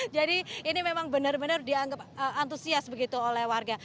jadi ini memang benar benar dianggap antusias begitu oleh warga